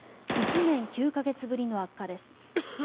１年９か月ぶりの悪化です。